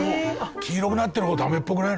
黄色くなってる方ダメっぽくない？